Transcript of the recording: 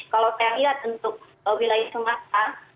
kalau saya lihat untuk wilayah sumatera